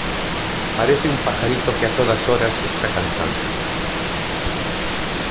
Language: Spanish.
Parece un pajarito que a todas horas está cantando.